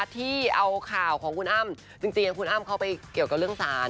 ที่เอาข่าวของคุณอ้ำจริงคุณอ้ำเขาไปเกี่ยวกับเรื่องศาล